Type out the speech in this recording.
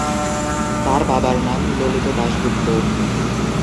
তার বাবার নাম ললিত দাশগুপ্ত।